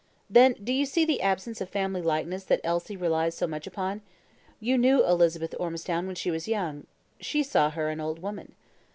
"Then do you see the absence of family likeness that Elsie relies so much upon? You knew Elizabeth Ormistown when she was young she saw her an old woman."